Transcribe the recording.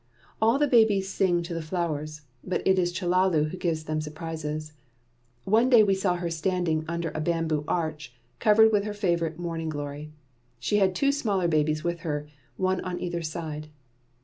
All the babies sing to the flowers, but it is Chellalu who gives them surprises. One day we saw her standing under a bamboo arch, covered with her favourite Morning glory. She had two smaller babies with her, one on either side.